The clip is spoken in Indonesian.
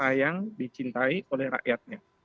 dia disayang dicintai oleh rakyatnya